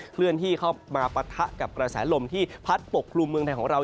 เคลื่อนที่เข้ามาปะทะกับกระแสลมที่พัดปกครุมเมืองไทยของเรา